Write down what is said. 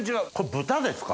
豚ですか？